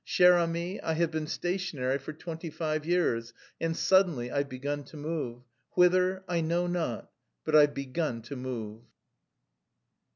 "Cher ami, I have been stationary for twenty five years and suddenly I've begun to move whither, I know not but I've begun to move...."